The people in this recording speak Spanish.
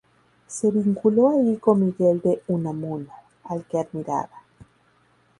Se vinculó allí con Miguel de Unamuno, al que admiraba.